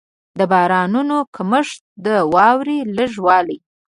د بارانونو کمښت، د واورې لږ والی.